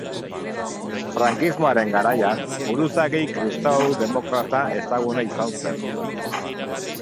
Frankismoaren garaian, buruzagi kristau-demokrata ezaguna izan zen.